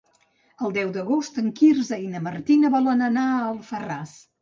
El deu d'agost en Quirze i na Martina volen anar a Alfarràs.